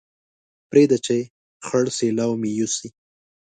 پرېږده چې خړ سېلاو مې يوسي